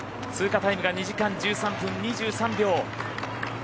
通過タイムが２時間１３分２３秒。